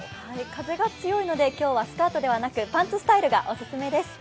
風が強いので、今日はスカートではなくパンツスタイルがオススメです。